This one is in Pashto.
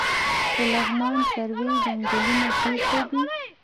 د لغمان سروې ځنګلونه چیرته دي؟